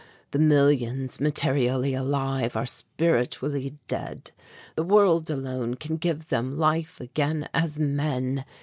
The millions materially alive, are spiritually dead. The world alone can give them life again as men.